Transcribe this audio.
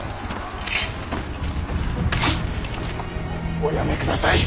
おやめください！